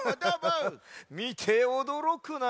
みておどろくなよ。